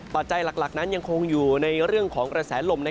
ปัจจัยหลักนั้นยังคงอยู่ในเรื่องของกระแสลม